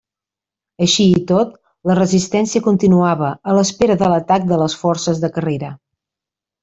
Així i tot, la resistència continuava, a l'espera de l'atac de les forces de Carrera.